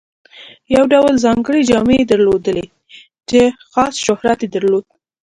یو ډول ځانګړې جامې یې درلودې چې خاص شهرت یې درلود.